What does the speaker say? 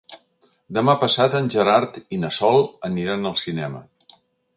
Demà passat en Gerard i na Sol aniran al cinema.